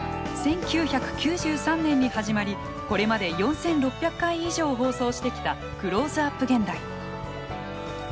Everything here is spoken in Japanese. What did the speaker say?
１９９３年に始まりこれまで４，６００回以上放送してきた「クローズアップ現代」。